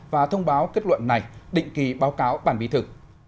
và thông báo kết luận này định kỳ báo cáo bàn bí thư